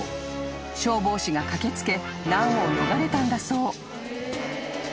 ［消防士が駆け付け難を逃れたんだそう］